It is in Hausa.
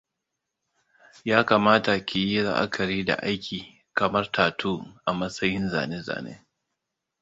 Ya kamata ki yi la'akari da aiki kamar tattoo a matsayin zane-zane.